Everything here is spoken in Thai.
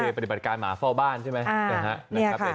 ปฏิบัติการหมาเฝ้าบ้านใช่ไหม